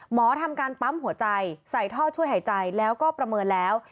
ทำการปั๊มหัวใจใส่ท่อช่วยหายใจแล้วก็ประเมินแล้ว